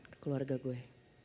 ke keluarga gue